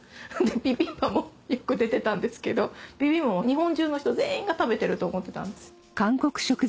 ビビンバもよく出てたんですけどビビンバも日本中の人全員が食べてると思ってたんです。